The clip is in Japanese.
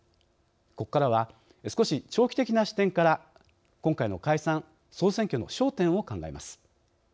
ここからは少し長期的な視点から今回の解散・総選挙の焦点を考えます。